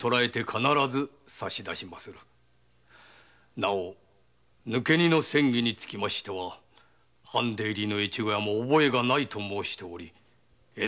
なお抜け荷のセン議につきましては藩出入りの越後屋も覚えがないと申しており。